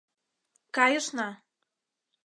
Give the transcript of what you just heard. Кайышна!..